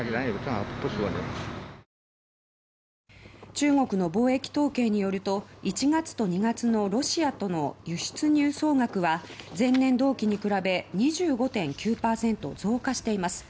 中国の貿易統計によると１月と２月のロシアとの輸出入総額は前年同期に比べ２５．９％増加しています。